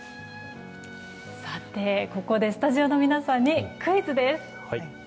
さて、ここでスタジオの皆さんにクイズです。